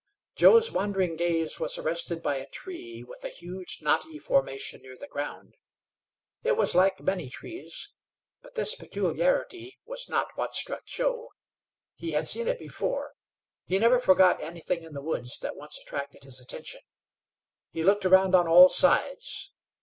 Joe's wandering gaze was arrested by a tree with a huge knotty formation near the ground. It was like many trees, but this peculiarity was not what struck Joe. He had seen it before. He never forgot anything in the woods that once attracted his attention. He looked around on all sides.